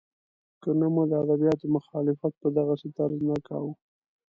که نه مو د ادبیاتو مخالفت په دغسې طرز نه کاوه.